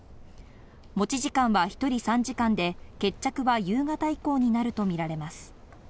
持ち時間は１人３時間で決着は夕方以降になるとみられます。